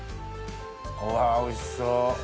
うわおいしそう。